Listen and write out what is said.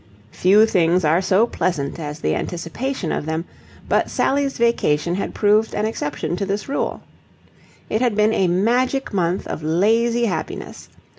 Few things are so pleasant as the anticipation of them, but Sally's vacation had proved an exception to this rule. It had been a magic month of lazy happiness.